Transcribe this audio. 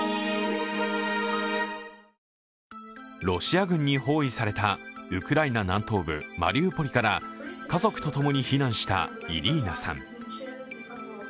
ロシア軍に包囲されたウクライナ南東部マリウポリから家族と共に避難したイリーナさん。